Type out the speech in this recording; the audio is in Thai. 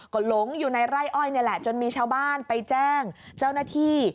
ก็หลงอยู่ในไร่อ้อยนี่แหละจนมีชาวบ้านไปแจ้งเจ้าหน้าที่